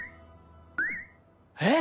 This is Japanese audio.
えっ！？